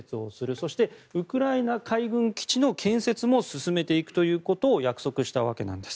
そしてウクライナ海軍基地の建設も進めていくということを約束したんです。